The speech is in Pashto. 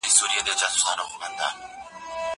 هغه څوک چي قلمان پاکوي منظم وي!؟